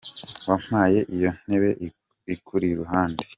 Wampaye iyo ntebe ikuri iruhande?